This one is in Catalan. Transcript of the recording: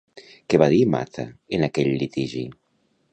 Què va dir Maza en aquell litigi?